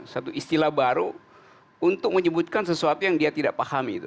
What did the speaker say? satu istilah baru untuk menyebutkan sesuatu yang dia tidak pahami